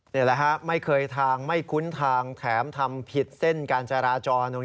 นี่แหละฮะไม่เคยทางไม่คุ้นทางแถมทำผิดเส้นการจราจร